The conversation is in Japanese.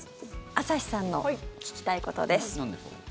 朝日さんの聞きたいことです。